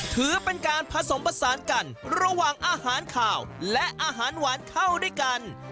ถือเป็นการผสมผสานกันระหว่างอาหารขาวและอาหารหวานเข้าด้วยกัน